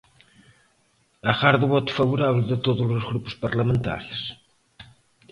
Agardo o voto favorábel de todos os grupos parlamentarios.